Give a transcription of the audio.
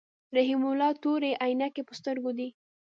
رحیم الله تورې عینکی په سترګو دي.